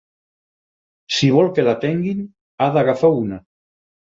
Si vol que l'atenguin, ha d'agafar una.